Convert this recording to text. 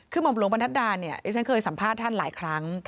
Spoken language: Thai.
คือหม่อมลวงปัณฑดาเนี่ยฉันเคยสัมภาษณ์ท่านหลายครั้ง